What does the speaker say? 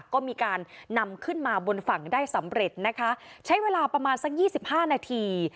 ก็มีการนำขึ้นมาบนฝั่งได้สำเร็จนะคะใช้เวลาประมาณสักยี่สิบห้านาที